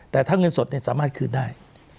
แต่ถ้าเงินสดสามารถคืนได้